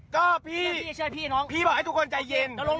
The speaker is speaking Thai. ก้อพี่พี่บอกให้ทุกคนใจเย็น